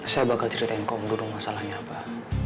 saya bakal ceritain ke om dudung masalahnya pak